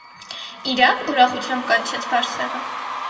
- Իրա՞վ,- ուրախությամբ կանչեց Բարսեղը: